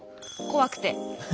怖くて。